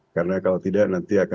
karena kalau tidak nanti akan sempat